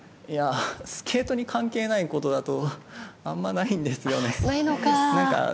スケートに関係ないことだとあんまりないんですよね。